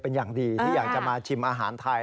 เป็นอย่างดีที่อยากจะมาชิมอาหารไทย